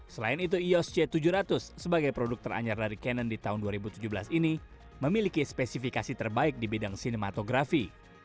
selain itu eos c tujuh ratus sebagai produk teranyar dari canon di tahun dua ribu tujuh belas ini memiliki spesifikasi terbaik di bidang sinematografi